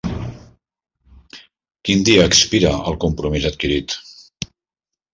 Quin dia expira el compromís adquirit?